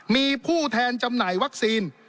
มีผู้แทนจำหน่ายวัคซีน